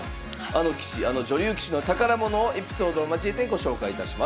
あの棋士あの女流棋士の宝物をエピソードを交えてご紹介いたします。